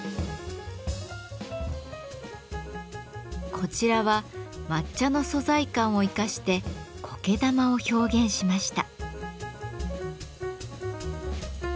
こちらは抹茶の素材感を生かして苔玉を表現しました。